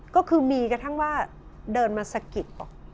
ก็คือมีกระทั่งว่าเดินมาสะกิดออก